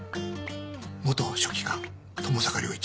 元書記官友坂良一。